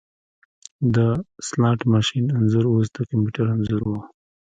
د سلاټ ماشین انځور اوس د کمپیوټر انځور و